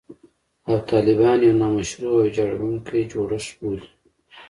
او طالبان یو «نامشروع او ویجاړوونکی جوړښت» بولي